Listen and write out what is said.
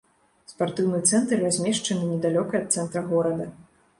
Спартыўны цэнтр размешчаны недалёка ад цэнтра горада.